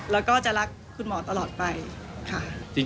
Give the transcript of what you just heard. แล้วก็จะรักคุณหมอตลอดไปค่ะ